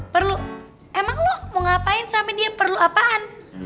perlu emang lo mau ngapain sama dia perlu apaan